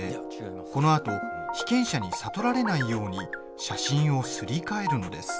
このあと、被験者に悟られないように写真をすり替えるのです。